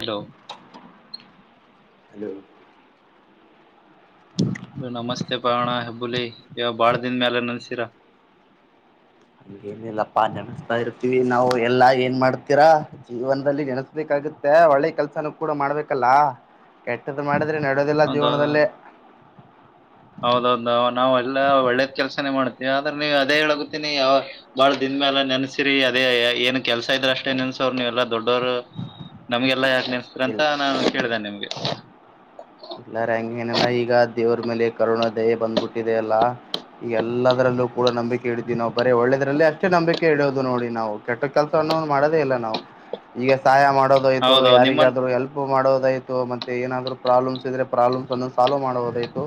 Hello hello ನಮಸ್ತೆ ಪಾವಣ ಹೆಬ್ಬುಲಿ ಇವ ಬಾಳ ದನ್ ಮ್ಯಾಲ ನೆನ್ಸಿರ ಏನಿಲ್ಲಪ್ಪಾ ನೆನಸ್ತಾ ಇರ್ತೀವಿ ನಾವು ಎಲ್ಲಾ ಏನ್ ಮಾಡ್ತೀರಾ ಜೀವನದಲ್ಲಿ ನೆನಸ್ಬೇಕಾಗುತ್ತ ಮತ್ತ ಒಳ್ಳೆ ಕೆಲ್ಸನ ಕೂಡ ಮಾಡ್ಬೇಕಲ್ಲ ಕೆಟ್ಟದ್ದ್ ಮಾಡಿದ ್ರೆ ನಡೋದಿಲ್ಲ ಹೌದೌದ ಜೀವನದಲ್ಲಿ ನಾಾವೆಲ್ಲ ಒಳ್ಳೇದ ಕೆಲ್ಸನೇ ಮಾಡ್ತೀವಿ ಆದ್ರೆ ನೀವು ಅದೇ ಹೇಳಗುತ್ತೀಿನಿ ಯಾವ ಬಹಳ ದಿನ ಮೇಾಲ ನೆನ್ಸಿ ಅ ಅದೇ ಏನ್ ಕೆಲ್ಸಾ ಇದ್ರೆ ಅಷ್ಟೇ ನಿನ್ಸ ಅವರು ನೀವ್ಲ್ಲ ದೊಡ್ಡವರು ನಮ್ಗೆಲ್ಲಾ ಯಾಕ ನೆನ್ಸ್ತ್ರ ಇಲ್ ಅಂತ ನಾನು ಕೇಳ್ದೇನೆ ನಿಮ್ಗೆ ್ಮೇಲೆ ಕರುಣಾ ದಯೆ ಬಂದ್ಬಿಟ್ಟಿದೆ ಅಲ್ಲಾ ಈ ಎಲ್ಲದರಲ್ಲೂ ಕೂಡ ನಂಬಿಕೆ ಇಡಿದ್ವಿ ನಾ್ ಬರೀ ಒಳ್ಳೇದ್ರಲ್ಲಿ ಅಷ್ಟೇ ನಂಬಿಕೆ ಇಡೋದು ನೋಡಿ ನಾವು ಕೆಟ್ಟ ಕೆಲಸ ಮಾಡದೇ ಇಲ್ಲ ನಾವು ಈಗ ಸಹಾಯ ಮಾಡ ೋದಾಯ್ತು ಹೌದೌದು ನಿಮ್ಮಂತ ಯಾರಿಗಾದ್ೂ ಹೆಲ್ಪ್ ಮಾಡೋದಾಯ್ತು ಮತ್ತೆ ಏನಾದ್ೂ ಪ್ರಾಬ್ಲಮ್ಸ್ ಪ್ರಾಬ್ಲಮ್ಸ್ನ್ನು ಸಾಲ್ವ್ ಮಾಡೋುದು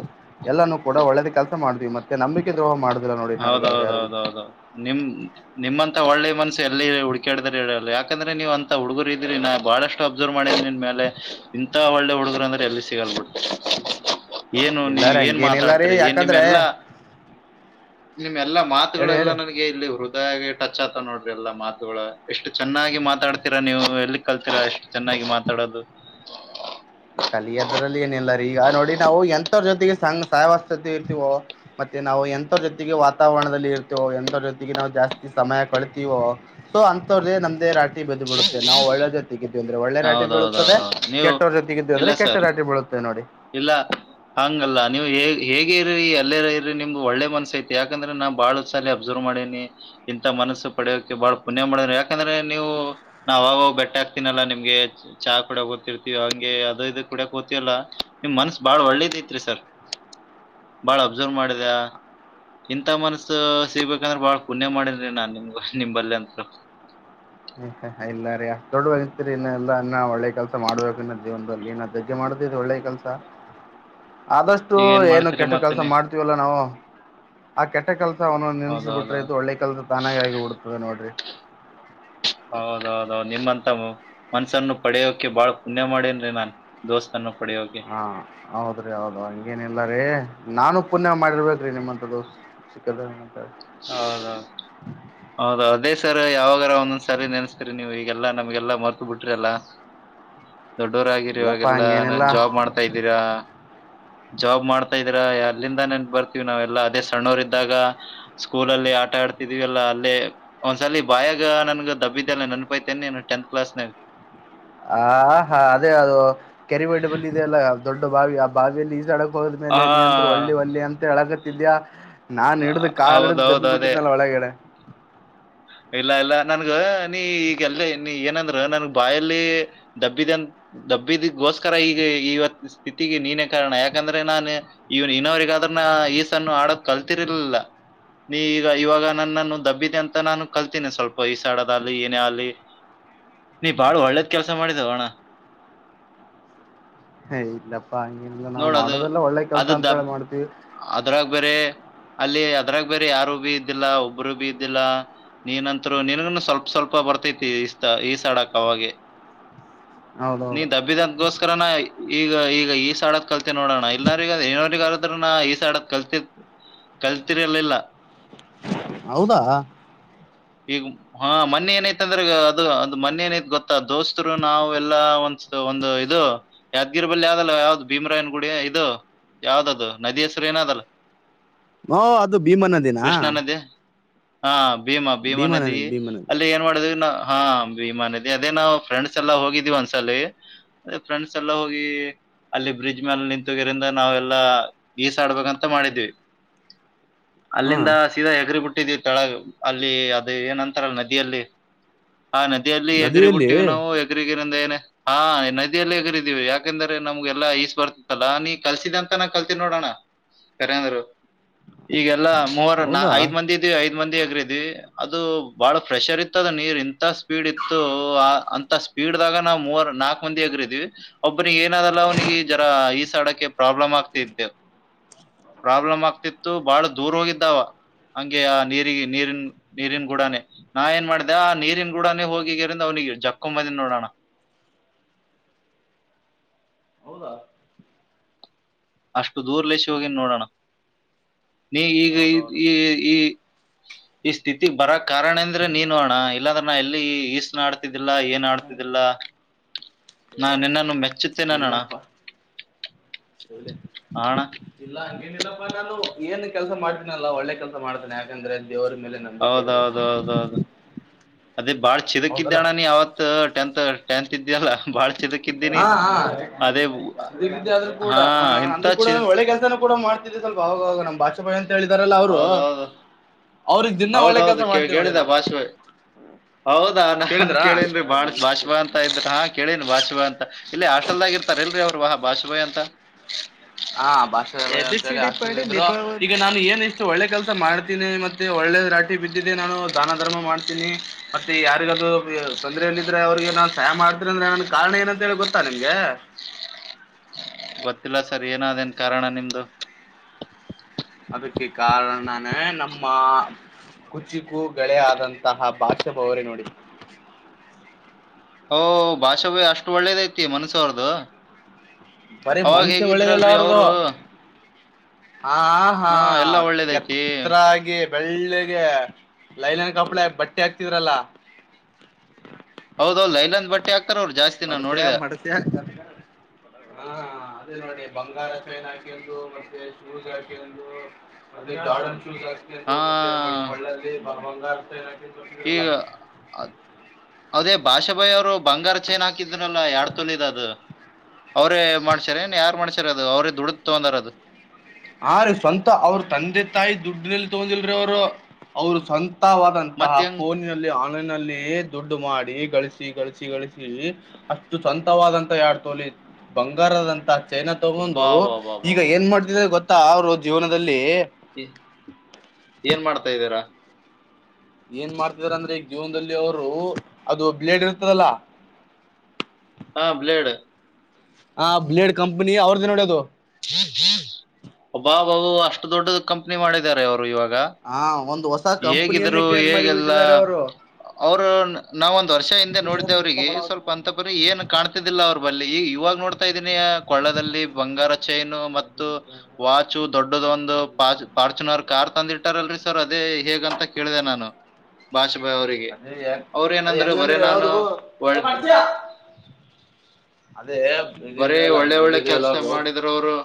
ಎಲ್ಲಾನೂ ಕೂಡ ಒಳ್ಳೆದ ಕೆಲಸ ಮಾಡಿದ್ವಿ ಮತ್ತೆ ನಂಬಿಕೆ ದ್ರೋಹ ಮಾಡ ಹೌದೌದೌದೌದೌದು ನಿಮ ನಿಮ್ಮಂತ ಒೆ ಮಸ ಎಲ್ಲಿ ಹುಕಾಡಿದಾರೆ ಹೇಳಲ್ಲ ಯಾಕಂದ್ರೆ ನೀವು ಅಂತ ಹುಗರು ಇದ್ರ ನಾ ಬಹಳಷ್ಟು ಅಬ್ಸರ್ವ್ ಮಾಡಿದ ನಿನ್ ಮೇಲೆ ಇಂತ ಒಳ್ಳೆ ಹುಡುಗರು ಅಂದ್ರೆ ಎಲ್ಲಿ ಸಿಗಲ್ ಬಿಟ್ಟು ಏನು ಇಲ್ಲ ನೀವ ರೀ ಏನ್ ಹಂಗೇನಿಲ್ಲ ರೀ ಮಾತಾಟ್ರಿ ಏನ್ ನಿಮ್ಮ ಯಾಕಂದ್ರೆ ಎಲ್ಲಾ ನಿಮ್ ಎಲ್ಲಾ ಹೇಳಿ ಹೇಳಿ ಮಾತುಗಳೆಲ್ಲಾ ನನಗೆ ಇಲ್ಲಿ ಹೃದಯ ಟಚ್ ಆತ ನೋಡ ಎಲ್ಲಾ ಮಾತುಗಳ ಎಷ್ಟು ಚೆನ್ನಾಗಿ ಮಾತಾಡ್ತೀರಾ ನೀವು ಎಲ್ಲಿ ಕಲ್ತಿೀರಾ ಎಷ್ಟು ಚೆನ್ನಾಗಿ ಮಾತಾಡೋದು [unintelligible] ಕಲಿಯೋದ್ರಲ್ಲಿ ಏನ ಇಿಲ್ಲ ಈಗ ನೋಡಿ ನಾವು ಎಂಂತವರ್ ಜೊತೆಗೆ ಸಂ್ ಸಹವಸ್ತೊತೆ ಇರ್ತೀವೋ ಮತ್ತೆ ನಾವು ಎಂ ಜೊತೆಗೆ ವಾತಾವರಣದಲ್ಲಿ ಇರ್ತೀವೋ ಎಂತ ಜೊತೆಗೆ ನಾವು ಜಾಸ್ತಿ ಸಮಯ ಕಳತೀವೋ ಸೊ ಅ ಮತ್ತ್ರೇ ನಮ್ದೇ ರಾಟ ಬದ್ ಬಿಿುತ್ತೆ ನಾವು ಒಳ್ಳೆ ಜೊತೆಗ ಇದೀವಿ ಅಂದ್ರೆ ಒಳ್ಳೆ ರಾಟಿ ಬೀಳದೆ ಹೌದೌದೌದೌದು ನೀವು ಕೆಟ್ಟವ್ರ ಇಲ್ಲ ಜೊತೆ ಂದ್ರೆ ಕೆಟ್ಟ ಸರ್ ರಾತ್ರಿ ಬೀಳುತ್ತೆ ನೋಡಿ ಇಲ್ಲ ಹಂಗಲ್ಲ ನೀವು ಹೇಗೆ ಇರ್ರಿ ಎಲ್ಲ ಇರ್ರಿ ನಿಮ್ಗೆ ಒಳ್ಳೆ ಮನಸ ಐತ್ ಯಾಕಂದ್ರೆ ನಾ ಬಾಳ ಸಾರಿ ಅಬ್ಸರ್ವ್ ಮಾಡೇನಿ ಇಂತ ಮನಸ್ಸು ಪಡೆಯೋಕ್ಕೆ ಬಹಳ ಪುಣ್ಯ ಮಾಡ ಯಾಕಂದ್ರೆ ನೀವು ನಾವವು ಆ ಬೆಟ್ಟ ಹ ಆಗ್ತೀನಲ್ಲ ನಿಮ್ಗೆ ಗೆ ಚಹ ಕೂಡಕ್ ತಿರ್ತಿವ ಹಂಗೆ ಅದ ಇ ಕುಡಕ್ ತವಲ್ಲ ನಿಮ್ ಮನ್ಸ್ ಬಾಳ್ ಒಳ್ಳೇದ ಐತ್ರಿ ಸರ್ ಹ ಬಾಳ ಅಬ್ಸರ್ವ್ ಮಾಡಿದ ಇಂಥ ಮನ್ಸ ಸಿಗ್ಬೇಕಂದ್ರೆ ಬಾಳ್ ಪುಣ್ಯ ಮಾಡಿದ್ರಿ ನಾನ್ ನಿಮ್ಗ ನಿಂಬಲ್ಲಿ ಅಂತರು ರಿ ಇನ್ನಲ್ಲ ಇನ್ನ ಒಳ್ಳೆ ಕೆಲಸ ಮಾಡ್ಬೇಕು ಇನ್ನ ಜೀವನದಲ್ಲಿ ಇನ್ನ ಧಗ್ಗೆ ಮಾಡದಿದ ಒಳ್ಳೆ ಕೆಲ್ಸ ಆದಷ್ಟು ಈಗ ಏನ್ ಏನು ಮಾಡ್ತೀರಿ ಕೆಟ್ಟ ಮತ್ತ ಕೆಲ್ಸ ನೀ ಮಾಡ್ತೀವಲ್ಲ ನಾವು ಆ ಕೆಟ್ಟ ಕೆಲ್ಸ ಒ್ನೊಂದ ನಿನ್ಸ ಬಿಟ್ರಿಯ್ು ಹೌದೌದೌದ್ ಒಳ್ಳೆ ಕೆಲ್ಸ ತಾನಾಗ ಆಗಿಬ ಬಿಡ್ತದೆ ನೋಡ್ರಿ ಹೌದೌದೌದು ನಿಮ್ಮಂತ ಮನ್ಸನ್ನು ಪಡೆಯೋಕೆ ಬಾಳ್ ಪುಣ್ಯ ಮಾಡೇನ್ರಿ ನಾನ್ ದೋಸ್ತನ್ನು ಪಡೆಯೋಕೆ ಹಾ ಹೌದ್ರಿ ಹೌದು ಹಂಗೇನಿಲ್ಲಾರೀ ನಾನು ಪುಣ್ಯ ಮಾಡಿರ್ಬೇಕೇ್ರಿ ನಿಮ್ಮಂತದ್ದು ಸಿಕ್ಕ ಹೌದೌದು ಹೌದ ಅದೇ ಸರ್ ಯಾವಾಗಾರ ಒಂದೊಂದ್ ಸ್ಯಾಲ ನೆನೆಸ್ತರಿ ನೀವವು ಈಗೆಲ್ಲಾ ನಮ್ಗೆಲ್ಲಾ ಮರ್ತ ಬಿಟ್ರಿ ಅಲ್ಲ ದೊಡ್ಡೋರ ಆಗಿರಿ ಇಲ್ಲಪ್ಪಾ ಇವಾಗೆಲ್ಲ ಹಂಗೇನಿಲ್ಲ ಜಾಬ್ ಮಾಡ್ತಾ ಇದ್ದೀರಾ ಜಾಬ್ ಮಾಡ್ತಾ ಇದೀ್ರ ಅಲ್ಲಿಂದ ನೆನ್ ಬರ್ತೀವಿ ನಾವೆಲ್ಲಾ ಅದೇ ಸಣ್ಣವರ್ ಇದ್ದಾಗ ಸ್ಕೂಲಲ್ಲಿ ಆ ಆಟ ಆಡ್ತಿದೀವಲ್ಲ ಅಲ್ಲ ಒಂದ್ಸಲಿ ಬಾಯಾಗ ನನ್ಗ ದಬ್ಬಿದ್ದಲ್ಲ ನನ್ಪೈತೇನೆಿ ಟೆಂತ್ ಕ್ಲಾಸ್ ನಾಗ [unintelligible] ಹ ಹಾ ಅದೇ ಅದು ಕೆರಿಬೇಂಡೆ ಬಲ್ಲಿ ಇದೆಲ್ಲ ದೊಡ್ಡ ಬಾವಿ ಆ ಬಾವಿಯಲ್ಲಿ ಈಸಾಡ ಹಾ ಹೋದ್ಮೇಲೆ ನೀಂದರೂ ಒಳ್ಳಿ ಒಳ್ಳಿ ಅಂತ ಹೇಳಗತ್ತಿದ್ಯಾಾ ನಾನ್ ಹಡು ಕಾಲ ಹಿಡ್ದು ಹೌದೌದು ದಬ್ಿ ಅದೇ ಬಿಟ್ಟಿದಿದ್ದನ ಒಳಗಡೆ ಇಲ್ಲ ಇಲ್ಲ ನನ್ಗ ನೀ ಈಗಲ್ಲ ನೀ ಏನಂದ್ರ ನನ್ ಬಾಯಲ್ಲಿ ದಬ್ಬಿದೆ ಅಂತ ದಬ್ಬಿದಗೋಸ್ಕರ ಈಗ ಇವತ್ ಸ್ಥಿತಿಗೆ ನೀನೇ ಕಾರಣ ಯಾಕಂದ್ರೆ ನಾನು ಇವ ಇನ್ನವರಿಗಾದ ಈಸನ್ನು ಆಡದ ಕಲ್ತಿರ್ಲಿಲ್ಲ ನೀ ಈಗ ಇವಾಗ ನನ್ನನ್ನು ದಬ್ಬಿದೆ ಅಂತ ನಾನು ಕಲ್ತೀಿನಿ ಸ್ವಲ್ಪ ಈಿಸಾಡದ ಅಲ್ಲಿ ಏನೇ ಅಲಿ ನೀ ಬಾಳ ಒಳ್ಳೇದ್ ಕೆಲ್ಸ ಮಾಡಿದವೋಣ ಹ ಏ ಇಲ್ಲಪ್ಪಾ ಹ ನಾವು ನೋಡದು ಮಾಡೋದೆಲ್ಲ ಒಳ್ಳೆ ಕೆಲ್ಸ ಅದು ಅಂತ ದಬ್ ಹೇಳಿ ಮಾಡ್ತೀವಿ ಅದ್ರಾಗ ಬೇರೆ ಅಲ್ಲಿ ಅದ್ರಾಗ ಬೇರೆ ಯಾರು ಭೀ ಇದ್ದಿಲ್ಲ ಒಬ್ರು ಬಿೀ ಇದ್ದಿಲ್ಲ ನೀನಂತರು ನನ್ಗನು ಸ್ವಲ್ಪ ಸ್ವಲ್ಪ ಬರ್ತೈತಿ ಇಷ್ಟ ಈ ಸ ಆಡಕ್ ಅವಾಗೆ ನೀ ಹೌದೌದು ದಬ್ಬಿದದಗೋಸ್ಕರನ ಈಗ ಈಗ ಈ ಸಡಕ್ ಕಲ್ತ ನೋಡೋಣ ಇಲ್ಲ್ರಗ ಇ್ರಗದ್ರ ನ ಈ ಸೈಡ ಕಲ್ತ ಕಲ್ತಿರಿಲಿಲ್ಲ ಹೌದಾ ಈಗ ಹಾ ಮೊೆ ಏನೈ ಅಂದ್ರ ಅದು ಅ್ ಮೊೆ ಏನೈತ ಗೊತ್ತ ಮ ದೋಸ್ತರು ನಾವ್ ಎಲ್ಲಾ ಒಂದ ಒಂದು ಇದು ಯಾದ್ಗಿರಿ ಬಲ್ಲಿಿ ಯಾವದಲ್ಲ ಯಾವ್ದ್ ಭೀಮರಾಯನ ಗುಡಿ ಇದು ಯಾವ್ದದು ನದಿ ಹೆಸರು ಏನದಲ್ಲ ಅದು ಭೀಮನ ದಿನ ಕೃಷ್ಣಾ ನದಿ ಹಾ ಭೀಮಾ ಭೀಮಾ ನದ ಭೀಮಾ ನದಿ ಅಲ್ಲಿ ಏನ್ ಮಾಡುದು ನ ಹಾ ವಿಮಾನದೆ ಅದೇ ನಾವು ಫ್ರೆಂಡ್ಸ್ ಎಲ್ಲಾ ಹೋಗಿದ್ವಿ ಒಂದ್ಸಲಿ ಅದೇ ಫ್ರೆಂಡ್ಸ್ ಎಲ್ಲಾ ಹೋಗಿ ಅಲ್ಲಿ ಬ್ರಿಡ್ಜ್ ಮೇಲೆ ನಿಂತುೋಗಿರಿಿಂದ ನಾವೆಲ್ಲಾ ಗೀಸ ಆಡ್ಬೇಕಂತ ಮಾಡಿದ್ವಿ ಹಾ ಅಲ್ಲಿಂದ ಸೀದಾ ಎಗರಿ ಬಿಟ್ಟಿದೀವಿ ತಳಗ ಅಲ್ಲಿ ಅದು ಏನಂತಾರಲ್ಲ ನದಿಯಲ್ಲಿ ಹ ನದಿಯಲ್ಲಿ ಎಗ್ರ ನದಿಯಲ್ಲಿ ಬಿಟ್ಟಿವ್ ನಾವು ಎಗ್ರಗ ಹಾ ನದಿಯಲ್ಲಿಗರಿದೀವಿ ಯಾಕೆಂದ್ರೆ ನಮ್ಗೆಲ್ಲಾ ಈಸ್ ಬರ್ತಿತ್ತಲ್ಲಾ ನೀ ಕಲ್ಸಿದ ಅಂತನ ಕಲ್ತನಿ ನೋಡೋಣ ಕರೆಂದರು ಈಗಲ್ಲಾ ಮೂವರ ಹೌದಾ ಐದ್ ಮಂದಿ ಇದ್ವಿ ಐದ್ ಮಂದಿ ಆಗ್ರಿದವಿ ಅದು ಬಹಳ ಪ್ರಫ್ರೆಷರ್ ಇತ್ತದ ನೀರ್ ಇಂತ ಸ್ಪೀಡ್ ಇತ್ತು ಅಂತ ಸ್ಪೀಡ್ ದಾಗ ನಾ ಮೂರ್ ನಾಲ್ಕ್ ಮಂದಿ ಆಗರಿದೀವಿ ಒಬ್ಬಿಗೆ ಏನದಲ್ಲ ಅವನಿಗೆ ಜರ ಸ್ಡಕ್ಕೆ ಪ್ರಾಬ್ಲಮ್ ಆಗ್ತಿದ್ದೆವು ಪ್ರಾಬ್ಲಮ್ ಆಗ್ತಿತ್ತು ಬಾಳ ದೂರ ಹೋಗಿದ್ದಾವ ಹಂಗೆ ಆ ನೀ ನೀರಿನ ನೀರಿನ್ ಗೂಡನೇ ನಾ ಏನ್ ಮಾಡ್ದ ಆ ನೀರಿನ್ ಗೂಡಾನೇ ಹೋಗಿಗ್ಯರಿಂದ ಅವ್ನಿಗೆ ಜಕ್ಕೊಂಬದನ್ ನೋಡೋಣ [inaudible] ಹೌದಾ ಅಷ್ಟು ದೂರ್ ಲಸಿ ಹೋಗನ್ಿ ನೋಡೋಣ ನೀ ಈಗ ಈ ಈ ಈ ಈ ಸ್ಥಿತಿ ಬರ ಕಾರಣ ಅಂದ್ರೆ ನೀನ್ಣ ಇಲ್ಲಾಂದ್ರೆ ನಾ ಎಲ್ಲಿ ಈಸ್ ನಡ್ ತಿದ್ದಿಲ್ಲ ಏನ್ ಆಡ್ತಿದ್ದಿಲ್ಲ ನಾ ನಿನ್ನನ್ನು ಮೆಚ್ಚುತ್ತೆ ನನ್ನಣ ಹೌಲ ಇಲ್ಲ ಹಂಗೇನಿಲ್ಲಪ್ಪಾ ನಾನು ಏನ್ ಕೆಲ್ಸ ಮಾಡ್ತೇನಲ್ಲ ಒಳ್ಳೆ ಕೆಲ್ಸ ಮಾಡ್ತೇನೆ ಯಾಕಂದ್ರೆ ದೇವರ ಮೇಲೆ ನಂಬಿಕೆ ಇರ್ಬೇಕು ಹೌದೌದೌದೌದು ಅದೇ ಬಾಳ ಚಿದಕ್ಿದ್ದ ಹೌದಲ್ಲ ಅಣ್ಣ ನೀ ಅವತ್ ಟೆಂತ್ ಟೆಂತ್ ಇದ್ಯಲ್ಲ ಬಾಳ ಹಾ ಹಾ ದ ಆದ್ ಕೂಡ ಹಾ ಹ ಇಂತ ಅಂದ್ರೂ ಕೂಡ ಚಿ ಒಳ್ಳೆ ಕೆಲ್ಸನ ಕೂಡ ಮಾಡತಿದಿದೆ ಸ್ವಲ್ಪ ಆಗ ನ್ ಭಾಪಾ ಅಂತ ಹೇಳಿದಾರಲ್ಲ ಅವರು ಹೌದೌದು ಅವ್ರಿಗೆ ದಿನ ಒಳ್ಳೆ ಹೌದೌದು ಕೆಲ್ಸ ಕೇ ಮಾಡ್ತೀವಿ ನೋಡಿ ಕೇಳಿದೆ ನಾನು ಬಾಷ್ಪ ಹೌದಾ ನಾನ್ ಕೇಳಿದ್ರಾ ಕೇಳೇನ್ೀ ಬಾಳ ಭಾಷವಾ ಅಂತ ಇದ್ರ ಹಾ ಕೇಳನ್ಿ ಭಾಷವಾಾ ಅಂತ ಇಲ್ಲಿ ಹಾಸ್ಟೆಲ್ದಾಗಿ ಇರ್ತಾರ ಎಲ್ರರಿ ಅವ್ರು ವಾಹ ಬಾಷುಭಾಯಿ ಅಂತ ಹಾ ಭಾಷ ಈಗ ನಾನು ಏನ್ ಎಷ್ಟು ಒಳ್ಳೆ ಕಲ್ಸ ಮಾಡ್ತೀನಿ ಮತ್ತೆ ಒಳ್ಳೆ ರಾಟಿ ಬಿದ್ದಿದ್ದೆ ನಾನು ದಾನ ಧಮ ಮಾಡ್ತೀನಿ ಮತ್ತೆ ಯಾರಿಗದು ತೊಂದ್ರೆಯಲ್ಲಿದ್ರೆ ಅವ್ರಿಗೆ ನಾನ್ ಸಹಾಯ ಮಾಡತ್ರ ಅಂದ್ರೆ ನನ್ ಕಾರಣ ಏನಂತ ಹೇಳಿ ಗೊತ್ತಾ ನಿಮ್ಗೆ [inaudible] ಗೊತ್ತಿಲ್ಲ ಸರ್ ಏನಾದೇನ್ ಕಾರಣ ನಿಮ್ದು ಅದಕ್ಕೆ ಕಾರಣನೇ ನಮ್ಮ ಕುಚಿಕೂ ಗಳೆ ಆದಂತಹ ಭಾಷ್ಯ ಬವ್ರೇ ನೋಡಿ ಓ ಭಾಷೆ ಅಷ್ಟು ಒಳ್ಳೇದೈತಿ ಮನಸ್ಯ ಅವ್ರದುು ಬರಿೀ ಮನ್ಸ ಒಳ್ಳೇದಿಲ್ಲ ಅವಾರದುು ಅವರು ಹ ಹಾ ಎಲ್ಲ ಒಳ್ಳೇದೈತಿ ಎತ್ತಾಗಿ ಬೆಳ್ಳಗೆ ಲೈಲನ್ ಕಪ್ಳ ಬಟ್ಟೆ ಹಾಕ್ತಿದ್ರಲ್ಲ ಹೌದೌಲ್ಲ ಇಲಂದ ಬೆಾಕ ಮಡ್ಸ ಮಸ್ಯಾ ಹ ರಾಯ ಹಾಕು ಮೆ ಶೂಸ್ ಹಾಕು ಹಾ ಮತ್ತೆಳ್ಳಲ್ಲಿ ಬ ಬಂಗಾರ ಹಾಕೊಂಡು ಬರ್ತಿದ್ರಲ್ಲ ಈಗ ಅದೇ ಭಾಷಾಬಾಯಿ ಅವರು ಬಂಗಾರ ಚೇನ್ ಹಾಕಿದ್ನಲ್ಲ ಯಡ್ ತುನಿದ ಅದು ಅವ್ರೇ ಮಾಡ್ಸ್ಯಾರ ಏನ್ ಯಾರ್ ಮಾಡ್ಸ್ಯಾರ ಅದು ಅವ್ರೇ ದುಡ ತೊಂದಾರ ಅದು ಹ ರೀ ಸ್ವಂತ ಅವ್ರ ತಂದೆ ತಾಯಿ ದುಡ್ಡನಲ್ಲಿ ತಗೊಂಡಿಲ್ರೀ ಅವರು ಅವ್ರ ಸ್ವಂತ ಸಾದಂತಹ ಮತ್ ಹೆಂಗ್ ಫೋನ್ ನಲ್ಲಿ ಆನ್ಲೈನ್ ದುಡ್ಡು ಮಾಡಿ ಗಳಿಸಿ ಗಳಿಸಿ ಗಳಿಸಿ ಅಷ್ಟು ಸಂತವಾದಂತ ಯಡ್ ತೋಲಿ ಬಂಗಾರದಂತ ಚೈನಾ ತಗೊಂಡು ಬಾ ಬಾ ಬಾ ಬಾ ಈಗ ಬಾ. ಏನ್ ಮಾಡ್ತಿದ ಗೊತ್ತಾ ಅವ್ರ ಜೀವನದಲ್ಲಿ ಹ ಏನ್ ಮಾಡ್ತಾ ಇದ್ದೀಾರಾ ಏನ್ ಮಾಡ್ತಿದಾರ ಅಂದ್ರೆ ಈಗ ಜೀವನದಲ್ಲಿ ಅವರು ಅದು ಬ್ಲೇಡ್ ಇರ್ತದಲ್ಲ [inaudible] ಹಾ ಬ್ಲೇಡ್ ಆ ಬ್ಲೇಡ್ ಕಂಪನಿ ಅವ್ರದ್ದೇ ನಡೋದು ಹ್ಮ್ಮ ಬಾ ಬಾಬ ಅಷ್ಟು ದೊಡ್ಡದ ಕಂಪ್ನಿ ಮಾಡಿದಿದ್ದಾರೆ ಅವ್ರು ಹಾ ಒಂದು ಹೊಸ ಕಂಪನಿಯನ್ನೇ ಕ್ರಿಯೇಟ್ ಮಾಡಿಬಿಟ್ಟಿದ್ದಾರೆ ಅವರು ಅವರು ನಾವ ಒಂದ್ ವರ್ಷ ಹಿಂದೆ ನೋಡಿದ್ದೆವ್ರಿಗೆ ಸ್ವಲ್ಪ ಅಂತ ಬರಿೀ ಏನ್ ಕಾಣ್ತಿದ್ದಿಲ್ಲ ಅವ್ರ ಬಲ್ಲಿಿ ಈ ಇವಾಗ ನೋಡ್ತಾ ಇದೀನಿ ಕೊಳ್ಳದಲ್ಲಿ ಬಂಗಾರ ಚೈನು ಮತ್ತು ವಾಚು ದೊಡ್ಡದ ಒಂದು ಫಾರ್ಚುನರ್ ಕಾರ್ ತಂದಿಟ್ಟಾರಲ್ರರಿ ಸರ್ ಅ ಅದೇ ಹೇಗಂತ ಕೇಳಿದೆ ನಾನು ಭಾಷೆ ಅವರಿಗೆ ಅದೇ ಅವ್ರ ಅದ ಏನಂದ್ರೆ ಬರೀ ಹೆಂಗಂದ್ರೆ ನಾನು ಯಾವ್ದು ಅದೇ ಬರೀ ಇದಿದೆಯಲ್ಲ ಒಳ್ಳೆ ಒಳ್ಳೆ ಇದಿದೆಯಲ್ಲ ಕೆಲ್ಸ ಅದು ಮಾಡಿದ್್ರ ಅವರು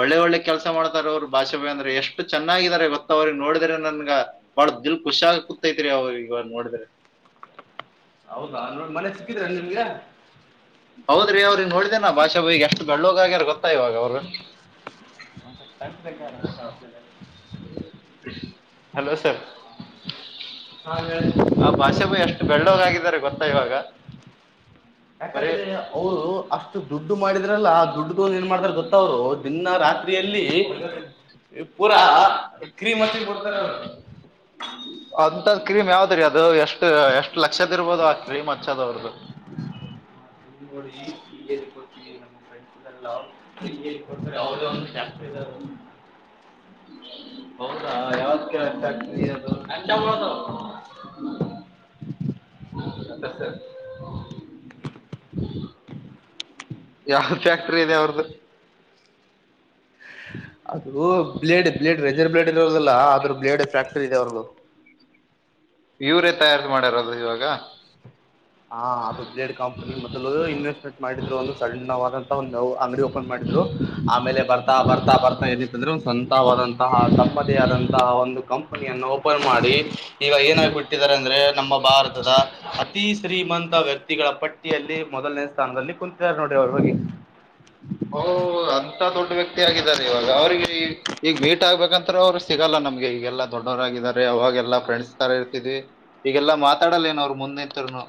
ಒಳ್ಳೆ ಒಳ್ಳೆ ಕೆಲ್ಸ ಮಾಡ್ತಾರೆ ಅವರು ಭಾಷೆ ಬ ಅಂದ್ರೆ ಎಷ್ಟು ಚೆನ್ನಾಗಿದ್ದಾರೆ ಇತ್ತು ಅವ್ರಿಗೆ ನೋಡಿದ್ರೆ ನನ್ಗ ಬಾಳ ದಿಲ್ ಖುಷ ಆ ಕುೂತೈತ್ರಿ ಅವ್ರಗ ನೋಡಿದ್ರೆ ಹೌದಾ ನೋಡಿ ಮನೆ ಸಿಕ್ಕಿದ್ರ ನಿಮ್ಗೆ ಹೌದ್ರಿ ಅವ್ರರುಿಂಗ ಹೊಳ್ದೇನಾ ಭಾಷೆ ಬಗ್ ಎಷ್ಟು ಬೆಳ್ಳೋಗಗ್ಯಾರ ಗೊತ್ತಾ ಇವಾಗ ಅವ್ರರು ಹ ತಂತ ಬೇಕತ ಹಲೋ ಸರ್ ಹಾ ಹೇಳ ಆ ಭಾಷೆ ಬೈ ಎಷ್ಟು ಬೆಳ್ಳೋಗಾಗಿದ್ದಾರೆ ಗೊತ್ತಾ ಇವಾಗ ಬರೀ ಯಾಕಂದ್ರೆ ಅವ್ರು ಅಷ್ಟು ದುಡ್ಡು ಮಾಡಿದ್ರಲ್ಲ ದುಡ್ಡ್ದ ಒಂದು ಏನ್ ಮಾಡ್ತಾರ ಗೊತ್ತ ಅವ್ರು ದಿನ ರಾತ್ರಿ ಪೂರಾ ಕ್ರೀಮ್ ಹತ್ತಿ ಬಿಡ್ತಾರೆರು ಅಂತದ್ ಕ್ರೀಮ್ ಯಾವ್ದ್ರೀ ಅದು ಎಷ್ಟು ಎಷ್ಟ್ ಲಕ್ಷದ ಇರ್ಬೋದು ಆ ಕ್ರೀಮ್ ಹಚ್ಚದವ್ರ್ದ ಹ ನೋಡಿ ಹಳ್ಕೊತೀವಿ ನಮ್ಮ ಫ್ರಂಡಸ್ ಕೊಡ್ತಾರೆ ಅವದೇ ಒಂದು ಫ್ಯಾಕ್ಟ್ರ ಇದ ಹೌದಾ ಕೇಳಕ್ ಫ್ಯಾಕ್ಟ್ರಿ ಯಾವದಂಟದು ಹ್ಮ ತ್ತ ಸ ಯಾವ ಫ್ಯಾಕ್ಟ್ರಿ ಇದೆ ಅವ್ರ್ದು ಅದು ಬ್ಲೇಡ್ ಬ್ಲೇಡ್ ರೆಜರ್ ಬ್ಲೇಡ್ ಇರೋದಲ್ಲ ಆದ್ರ ಬ್ಲೇಡ್ ಫ್ಯಾಕ್ಟರಿ ಇದೆ ಅವ್ರಗೂ [unintelligible] ಯೂರಿ ತಯಾರ ಮಾಡಿರೋದು ಇವಾಗ ಹಾ ಅದು ಬೇಡ್ ಕಂಪನಿ ಮೊದಲು ಇನ್ವೆಸ್ಟ್ಮೆಂಟ್ ಮಾಡಿದ್ರು ಒಂದು ಸಣ್ಣವಾದಂತ ಒಂದು ಅಂಗಡಿ ಓಪನ್ ಮಾಡ ಆಮೇಲೆ ಬರ್ತಾ ಬರ್ತಾ ಬರ್ತಾ ಎಿಂದ್ರು ಸ್ವಂತವಾದಂತಹ ತಮ್ಮದೇ ಆದಂತಹ ಒಂದು ಕಂ ಓಪನ್ ಮಾಡಿ ಈಗ ಏನಾಗಬಿಟ್ಟಿದ್ದಾರೆ ಅಂದ್ರೆ ನಮ್ಮ ಭಾರತದ ಅತಿ ಸೀಮಂತ ವ್ಯಕ್ತಿಗಳ ಪಟ್ಟಿಯಲ್ಲಿ ಮೊದಲನೇ ಸ್ಥಾನದಲ್ಲಿ ಕುಂತಿದ್ದಾರೆ ನೋಡ್ರಿ ಅವರು ಹೋಗಿ ಹಓ ಅಂತ ದೊಡ್ಡ ವ್ಯಕ್ತಿ ಆಗಿದ್ದಾರೆ ಇವಾಗ ಅವ್ರಿಗೆ ಈ ಈಗ ಮೀಟ್ ಆಗ್ಬೇಕಂತ ಅವ್ರು ಸಿಗಲ್ಲ ನಮ್ಗೆ ಈಗೆಲ್ಲಾ ದೊಡ್ ಡೌನ್ ಆಗಿದ್ದಾರೆ ಅವಾಗೆಲ್ಲ ಫ್ರೆಂಡ್ಸ್ ತರ ಇರ್ತವಿ ಈಗೆಲ್ಲಾ ಮಾತಾಡಲ್ಲ ಏನ ಅವರು ಮುಂದೆಂತರುನು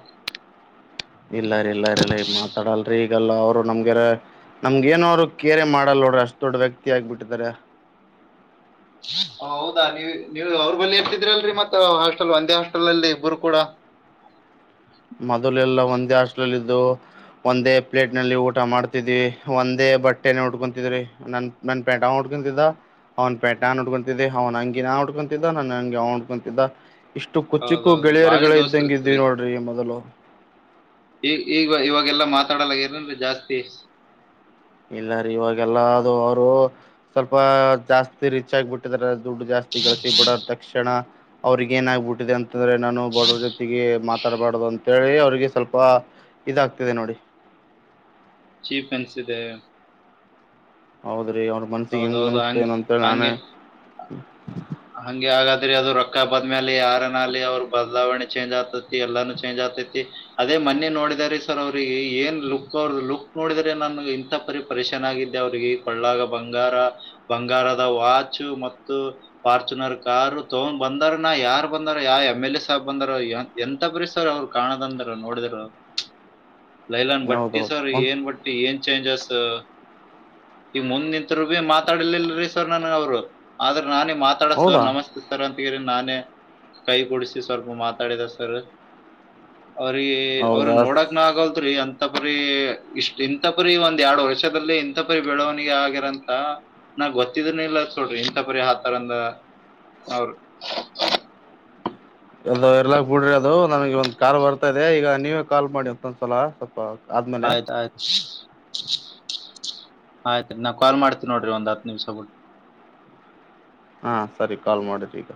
ಇಲ್ಲಾರ ಇಲ್ಲಾರ ಇಲ್ಲ ಈ ಮಾತಾಡಲ್ರಿ ಲ್ಲ ಅವ್ರು ನಮ್ಗೆ ನಮ್ಗಏನ ಅವ್ರು ಕೇರೆ ಮಾಡಲ್ಲ ನೋಡ್ರಿ ಅಷ್ಟ್ ದೊಡ್ಡ ವ್ಯಕ್ತಿ ಆಗ್ಬ ಬಿಟ್ಟಿದಾರ [unintelligible] ಹೌದಾ ನೀವ ನೀವು ಅವ್ರರು ಬಳಿ ಇರ್ತಿದ್ರಿ ಅಲ್ರರಿ ಮತ್ತ ಹಾಸ್ಟೆಲ್ ಒಂದೇ ಹಾಸ್ಟೆಲ್ ಅಲ್ಲಿ ಇಬ್ಬರು ಕೂಡ [unintelligible] ಮೊದಲೆ ಎಲ್ಲಾ ಒಂದೇ ಹಾಲ್ಲಿ ದು ಒಂದೇ ಪ್ಲೇಟ್ ನಲ್ಲಿ ಊಟ ಮಾಡ್ತಿದ್ವಿ ಒಂದೇ ಬಟ್ಟೆನ ಉಟ್ಕೊತಿದ್ರಿ ನನ್ ನಾನು ಪ್ಯಾಂಟಾ ಹಡ್ಕೊಂಡಂತಿದ್ದಾ ಅವ್ನ್ ಪೆಟೆ ನನ್ ಉುಡ್ಕೊತಿದ್ದೆ ಅವನ್ ಹಂಗಿನ ನಾ ಉಡ್ಕತಿದ್ದ ನನ್ ಹಂಗಿ ಅವ್ ಉಟ್ಡ್ಕೊತಿದ್ದ ಇಷ್ಟು ಕುಚಿಕ್ಕು ಹೌದೌದು ಳೆಯರಿಗಳ ಇದ್ದಂಗ ಇದ್ವಿ ನೋಡ್ರಿ ಮೊದಲು ಈ ಈಗ ಇವಾಗೆಲ್ಲ ಮಾತಾಡಲ್ಲರನ್ೆ ಜಾಸ್ತಿ ಇಲ್ಲ ರೀ ಇವಾಗೆಲ್ಲ ಅದು ಅವರು ಸ್ವಲ್ಪ ಜಾಸ್ತಿ ರಿಚ್ ಆಗಬ ಬಿಟ್ಟಿದಾರ ದುಡ್ಡು ಜಾಸ್ತಿ ಗಳಿಸಿಿ ಬಡರ್ ತಕ್ಷಣ ಅವ್ರಗ ಏನ ಆಾಗಬಿಟ್ಟಿದೆ ಅಂತಂದ್ರೆ ನಾನು ಬಡವ್ರ ಜೊತೆಗೆ ಮಾ ತರಬಾರ್ದು ಅಂತೇಳಿ ಅವ್ರಿಗೆ ಸ್ವಲ್ಪ ಇದಾಗ್ತಿದೆ ನೋಡಿ ಚೀಫನ್ಸ ಇದೆ ಹೌದ್ರಿ ಅವ್ರ ಮನ್ಸಿ ಹೆಂಗ್ ಹೌದೌದು ಅನ್ಸ್ತೇ ಹಂಗ್ ನ ಅಂತೇಳಿ ನಾನೇ ಹಂಗೆ ಹಂಗೆ ಹಾಗಾದ್ರಿ ಅದು ರೊಕ್ಕ ಬದ್ಮೆ ಅಲಿ ಯಾರನ ಅಲ್ಲಿ ಅವ್ರ ಬದಲಾವಣೆ ಚೇಂಜ್ ಆಗ್ತತಿ ಎಲ್ಲಾನೂ ಚೇಂಜ್ ಆಗ್ತತಿ ಅದೇ ಮನ್ನೆ ನೋಡಿದಿದ್ದಾರೆ ಸರ್ ಅವ್ರಿಗೆ ಏನ್ ಲುಕ್ ಅವ್ರ ಲುಕ್ ನೋಡಿದ್ರೆ ನನಗೆ ಇಂಥ ಪರಿ ಪರಿಶನ್ ಆಗಿದ್ದೆ ಅವಿಗೆ ಕಳ್ಳಾಗ ಬಂಗಾರ ಬಂಗಾರದ ವಾಚ ಮತ್ತು ಫಾರ್ಚುನರ್ ಕಾರಾರ್ು ತಗೊಂಡ್ ಬಂದಾರ ನ ಯಾರು ಬಂದಾರ ಯಾವ ಎಮ್ ಎಲ್ ಎ ಸಾಹಬ್ ಬಂದಾರ ಎಂತ ಪರಿಸ್ತಾರ ಅವ್ರು ಕಾಣೋದಂದರು ನೋಡಿದರು [inaudible] ಲೈಲಾನ್ ಬಟ್ಟಿ ಸರ್ ಹೌದೌದು ಏನ್ ಬಟ್ಟಿ ಏನ್ ಚೇಂಜಸ್ ಈ ಮುಂದ ನಿಂತರು ಭೀ ಮಾತಾಡಿಲಿಲ್ಲರೀ್ವರ್ ನನ್ ಅವ್ರು ಆದ್ರೆ ನಾನ ಮಾತಾಡ ಸರ್ ಹೌದಾ ನಮಸ್ತೆ ಸರ್ ಅಂತ ನಾನೇ ಕೈ ಕೊಡಿಸಿ ಸ್ವಲ್ಪ ಮಾತಾಡಿದ ಸರ್ ಅವ್ರ ಹೌದಾ ಅವ್ರಗ್ ನೋಡಕ್ನ ಆಗಲ್ತ್ೀ ಅಂತ ಇಥಪರಿ ಇಷ್ಟು ಇಂಥ ಪರಿ ಒಂದ್ ಎರಡು ವರ್ಷದಲ್ಲಿ ಇಂಥ ಪರಿ ಬೆಳವಣಿಗೆ ಆಗಿರಂತ ನಾ ಗೊತ್ತಿದನ ಇಲ್ಲ ಸೋಡ್ರಿ ಇಂತ ಪರಿ ಹಾತಾರಂದ ಅವ್ರಿ ಅದು ಎರ್ಲಕ್ ಬಿಡ್ರಿ ಅದು ನಮಗೆ ಒಂದ್ ಕಾರ್ ಬರ್ತಾ ಇದೆ ಈಗ ನೀವೇ ಕಾಲ್ ಮಾಡಿ ಮತ್ತೊಂದ್ಸಲ ಸ್ವಲ್ಪ ಆದ್ಮೇಲೆ ಆಯ್ತು ಆಯ್ತು ಆಯ್ತ ನಾವ್ ಕಾಲ್ ಮಾಡ್ತೀ ನೋಡ್ರಿ ಒಂದ್ ಹತ್ ನಿಮಿಷ ಬ ಹಾ ಸರಿ ಕಾಲ್ ಮಾಡಿದ್ರಿ ಈಗ